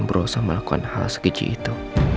berusaha melakukan hal segitu